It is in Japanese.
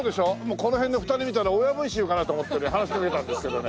この辺の２人見たら親分衆かなと思ってね話しかけたんですけどね。